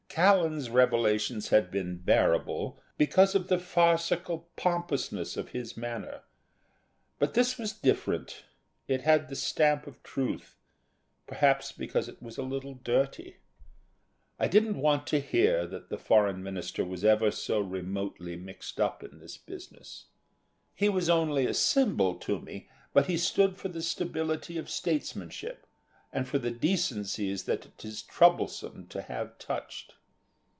Callan's revelations had been bearable, because of the farcical pompousness of his manner. But this was different, it had the stamp of truth, perhaps because it was a little dirty. I didn't want to hear that the Foreign Minister was ever so remotely mixed up in this business. He was only a symbol to me, but he stood for the stability of statesmanship and for the decencies that it is troublesome to have touched.